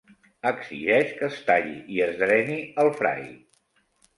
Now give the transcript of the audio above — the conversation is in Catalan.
Exigeix que es talli i es dreni el Fry.